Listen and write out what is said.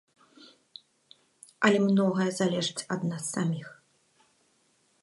Але многае залежыць ад нас саміх.